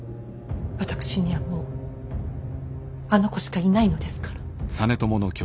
私にはもうあの子しかいないのですから。